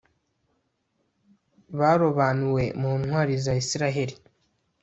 barobanuwe mu ntwari za israheli